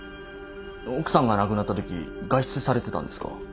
奥さんが亡くなったとき外出されてたんですか？